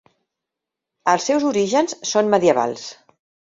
Els seus orígens són medievals.